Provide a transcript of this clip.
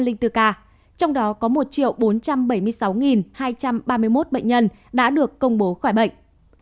là một tám trăm năm mươi ba chín trăm linh bốn ca trong đó có một bốn trăm bảy mươi sáu hai trăm ba mươi một bệnh nhân đã được công bố khỏi bệnh